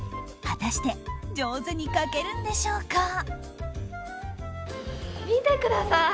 果たして上手に描けるんでしょうか？